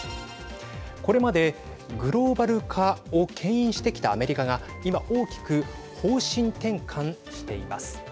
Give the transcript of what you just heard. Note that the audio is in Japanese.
これまでグローバル化をけん引してきたアメリカが今、大きく方針転換しています。